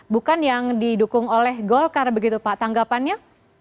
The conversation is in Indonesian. bukan yang didukung oleh golkar begitu pak tanggapannya